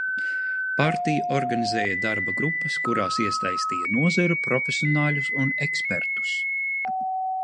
Partija organizēja darba grupas, kurās iesaistīja nozaru profesionāļus un ekspertus.